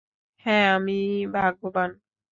হ্যাঁ, আমি ভাগ্যবান।